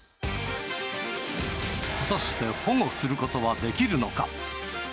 果たして保護することはできるのか？